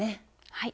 はい。